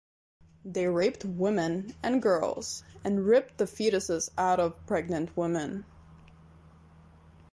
They raped women and girls, and ripped the fetuses out of pregnant women.